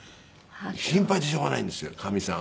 心配でしょうがないんですよかみさん。